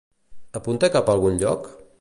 Apunta cap a algun lloc?